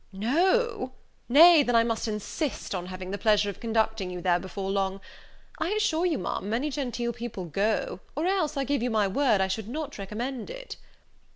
"No! nay, then I must insist on having the pleasure of conducting you there before long. I assure you, Ma'am, many genteel people go, or else, I give you my word, I should not recommend it."